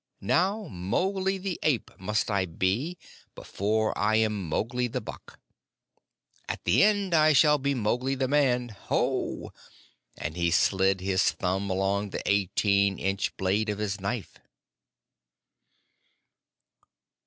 Now Mowgli the Ape must I be before I am Mowgli the Buck. At the end I shall be Mowgli the Man. Ho!" and he slid his thumb along the eighteen inch blade of his knife.